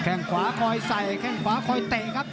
งขวาคอยใส่แข้งขวาคอยเตะครับ